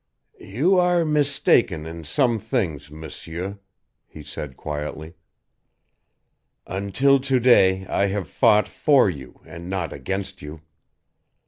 "You are mistaken in some things, M'seur," he said quietly. "Until to day I have fought for you and not against you.